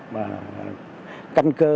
mà căn cơ giữa các hệ thống này